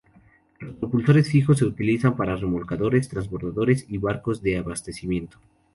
Los propulsores fijos se utilizan para remolcadores, transbordadores y barcos de abastecimiento.